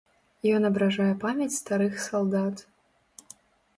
Ён абражае памяць старых салдат.